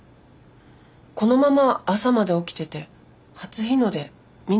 このまま朝まで起きてて初日の出見に行きませんか？